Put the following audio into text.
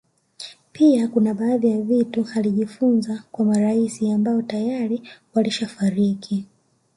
Pia kuna baadhi ya vitu alijifunza kwa marais ambao tayari wameshafariki